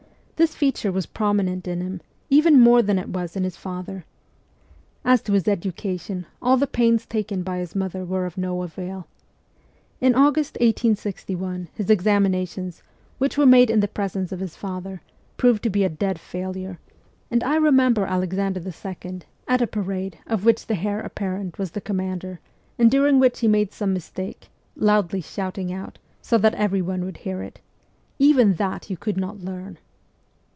This feature was pro minent in him, even more than it was in his father. THE CORPS OF PAGES 177 As to his education, all the pains taken by his mother were of no avail. In August 1861 his examinations, which were made in the presence of his father, proved to be a dead failure, and I remember Alexander II., at a parade of which the heir apparent was the com mander, and during which he made some mistake, loudly shouting out, so that everyone would hear it, ' Even that you could not learn